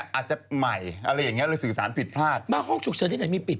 อาจจะใหม่อะไรอย่างเงี้เลยสื่อสารผิดพลาดมาห้องฉุกเฉินที่ไหนมีปิด